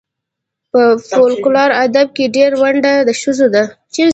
په فولکور ادب کې ډېره ونډه د ښځو ده.